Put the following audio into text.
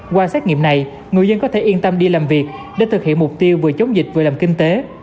qua xét nghiệm này người dân có thể yên tâm đi làm việc để thực hiện mục tiêu vừa chống dịch vừa làm kinh tế